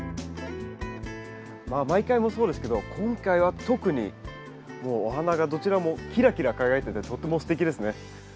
まあ毎回もうそうですけど今回は特にもうお花がどちらもキラキラ輝いててとってもすてきですね。